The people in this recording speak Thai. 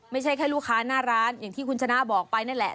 ไม่ใช่แค่ลูกค้าหน้าร้านอย่างที่คุณชนะบอกไปนั่นแหละ